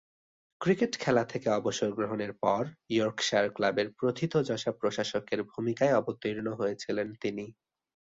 Cricket খেলা থেকে অবসর গ্রহণের পর ইয়র্কশায়ার ক্লাবের প্রথিতযশা প্রশাসকের ভূমিকায় অবতীর্ণ হয়েছিলেন তিনি।